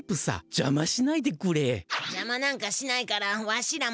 じゃまなんかしないからわしらも。